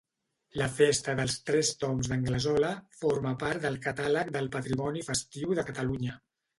La festa dels Tres Tombs d'Anglesola forma part del Catàleg del Patrimoni festiu de Catalunya.